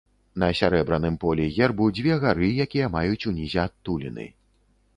На сярэбраным полі гербу дзве гары, якія маюць унізе адтуліны.